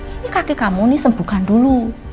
ini kaki kamu sembuhkan dulu